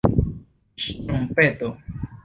ŝtrumpeto